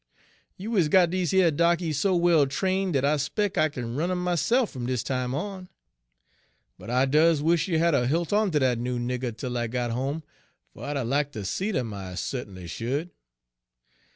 You is got dese yer darkies so well train' dat I 'spec' I kin run em' myse'f fum dis time on. But I does wush you had 'a' hilt on ter dat noo nigger 'tel I got home, fer I'd 'a' lack ter 'a' seed 'im, I su't'nly should.'